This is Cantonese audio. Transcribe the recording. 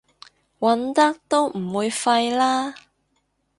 揾得都唔會廢啦